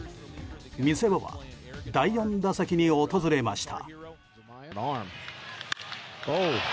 見せ場は第４打席に訪れました。